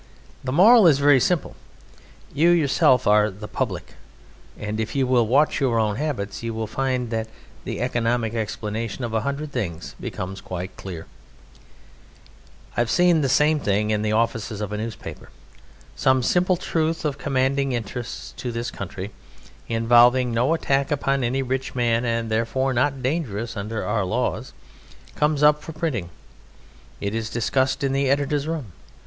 The moral is very simple. You yourselves are "The Public," and if you will watch your own habits you will find that the economic explanation of a hundred things becomes quite clear. I have seen the same thing in the offices of a newspaper. Some simple truth of commanding interest to this country, involving no attack upon any rich man, and therefore not dangerous under our laws, comes up for printing. It is discussed in the editor's room.